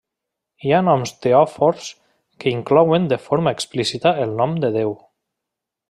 Hi ha noms teòfors que inclouen de forma explícita el nom de Déu.